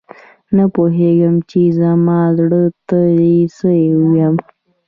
نه پوهیږم چې زما زړه ته یې څه وویل؟